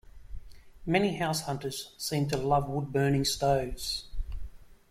Many househunters seem to love woodburning stoves.